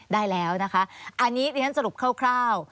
ได้แล้วนะคะอันนี้เรียนสรุปคร่าว